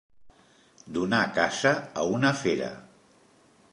Donar caça a una fera.